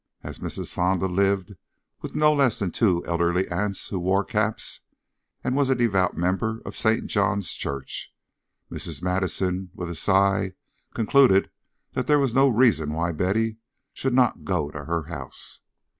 As Mrs. Fonda lived with no less than two elderly aunts who wore caps, and was a devout member of St. John's Church, Mrs. Madison, with a sigh, concluded that there was no reason why Betty should not go to her house.